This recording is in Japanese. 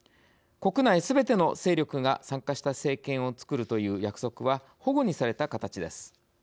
国内すべての勢力が参加した政権をつくるという約束はほごにされた形です。